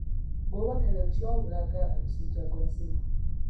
Bubonero ki obulaga omusujja gw'ensiri?